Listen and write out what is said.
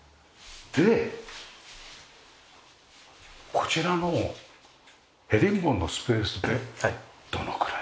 こちらのヘリンボーンのスペースってどのくらい？